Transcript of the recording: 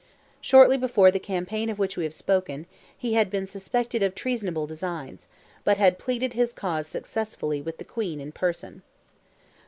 Shortly before the campaign of which we have spoken, he had been suspected of treasonable designs, but had pleaded his cause successfully with the Queen in person.